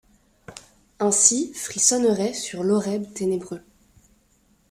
Ainsi frissonneraient sur l'Horeb ténébreux